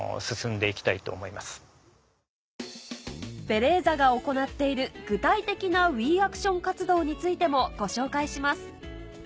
ベレーザが行っている具体的な「ＷＥＡＣＴＩＯＮ活動」についてもご紹介します